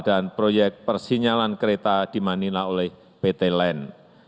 dan proyek persinyalan kereta di manila oleh pt len